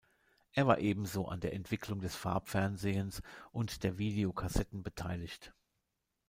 Er war ebenso an der Entwicklung des Farbfernsehens und der Videokassetten beteiligt.